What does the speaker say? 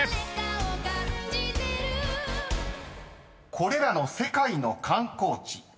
［これらの世界の観光地